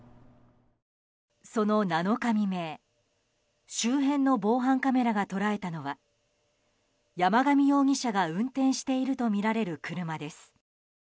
その７日未明周辺の防犯カメラが捉えたのは山上容疑者が運転していたとみられる車です。